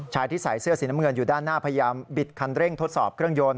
ที่ใส่เสื้อสีน้ำเงินอยู่ด้านหน้าพยายามบิดคันเร่งทดสอบเครื่องยนต์